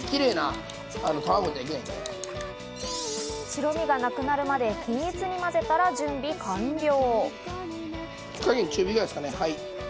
白身がなくなるまで均一に混ぜたら準備完了。